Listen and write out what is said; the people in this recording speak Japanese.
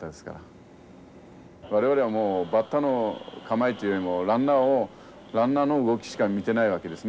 我々はもうバッターの構えというよりもランナーの動きしか見てないわけですね